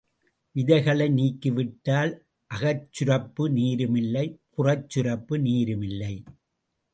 விதைகளை நீக்கிவிட்டால் அகச்சுரப்பு நீருமில்லை, புறச்சுரப்பு நீருமில்லை.